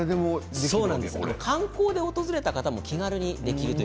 観光で訪れた方も気軽にできます。